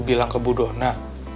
bilang ke bu dona